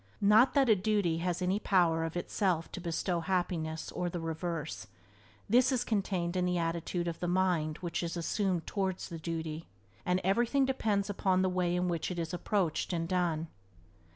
Not that a duty has any power of itself to bestow happiness or the reverse — this is contained in the attitude of the mind which is assumed towards the duty — and everything depends upon the way in which it is approached and done.